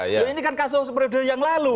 ya ini kan kasus yang lalu